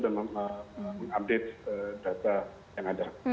dan mengupdate data yang ada